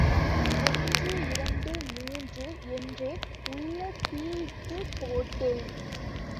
ஒன்று, இரண்டு, மூன்று—என்றே உள்ளே பிய்த்துப் போட்டேன்.